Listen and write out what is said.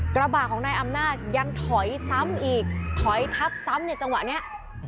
กระบะของนายอำนาจยังถอยซ้ำอีกถอยทับซ้ำเนี่ยจังหวะนี้